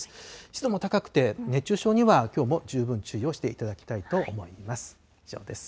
湿度も高くて、熱中症にはきょうも十分注意をしていただきたいと思います。